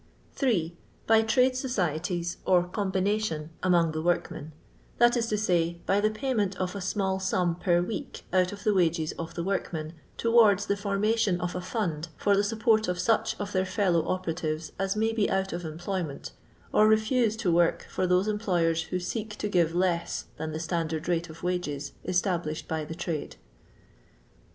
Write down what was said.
8. By trade societies or combination among the workmen ; that is to say, by the pay ment of a small sum per week out of the wages of the workmen, towards the form ation of a fund for the support of such of their fellow operatives as may be out of employment, or refuse to work for those employers who seek to give less than the standard rate of wages established by the trade.